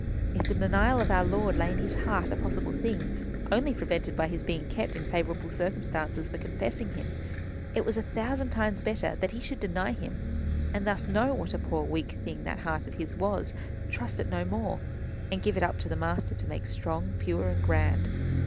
_ If the denial of our Lord lay in his heart a possible thing, only prevented by his being kept in favourable circumstances for confessing him, it was a thousand times better that he should deny him, and thus know what a poor weak thing that heart of his was, trust it no more, and give it up to the Master to make it strong, and pure, and grand.